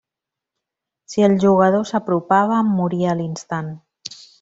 Si el jugador s'apropava, moria a l'instant.